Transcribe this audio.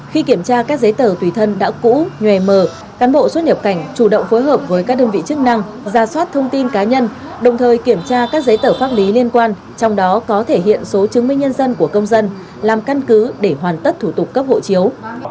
khi kiểm tra các giấy tờ tùy thân đã cũ nhòe mờ cán bộ xuất nhập cảnh chủ động phối hợp với các đơn vị chức năng ra soát thông tin cá nhân đồng thời kiểm tra các giấy tờ pháp lý liên quan trong đó có thể hiện số chứng minh nhân dân của công dân làm căn cứ để hoàn tất thủ tục cấp hộ chiếu